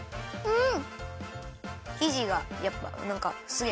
うん。